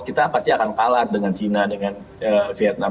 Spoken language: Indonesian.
kita pasti akan kalah dengan china dengan vietnam